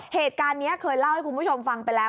เหตุการณ์นี้เคยเล่าให้คุณผู้ชมฟังไปแล้ว